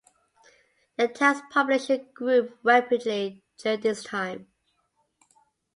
The town's population grew rapidly during this time.